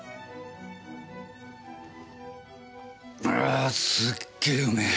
あすっげーうめえ。